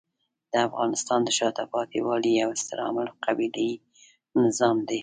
د افغانستان د شاته پاتې والي یو ستر عامل قبیلې نظام دی.